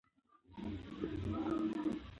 د ښار سړکونه پاک شوي دي.